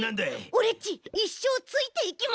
オレっちいっしょうついていきます！